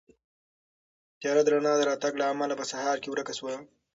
تیاره د رڼا د راتګ له امله په سهار کې ورکه شوه.